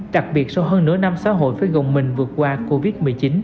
đặc biệt sau hơn nửa năm xã hội phải gồng mình vượt qua covid một mươi chín